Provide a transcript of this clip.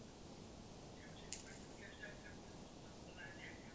Hře na housle se začal věnovat ve věku pěti let.